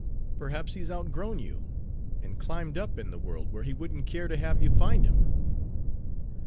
"Perhaps he 's outgrown you, and climbed up in the world where he wouldn't care to have you find him."